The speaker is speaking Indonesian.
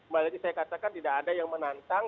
saya katakan tidak ada yang menantang